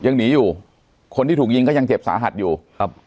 ยังหนีอยู่คนที่ถูกยิงก็ยังเจ็บสาหัสอยู่ครับ